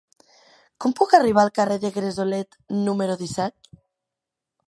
Com puc arribar al carrer de Gresolet número disset?